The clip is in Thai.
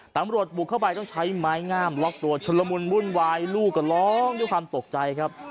ตำรวจบุกเข้าไปต้องใช้ไม้งามล็อกตัวชุนละมุนวุ่นวายลูกก็ร้องด้วยความตกใจครับ